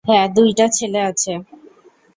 হ্যাঁ, দুইটা ছেলে আছে।